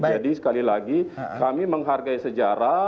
jadi sekali lagi kami menghargai sejarah